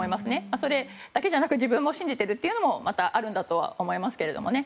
それだけじゃなく自分も信じているというのもまたあるんだと思いますけどね。